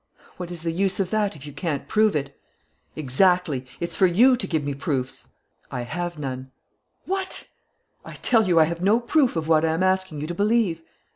"What is the use of that if you can't prove it?" "Exactly! It's for you to give me proofs." "I have none." "What!" "I tell you, I have no proof of what I am asking you to believe."